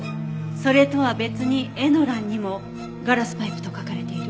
それとは別にエの欄にもガラスパイプと書かれている。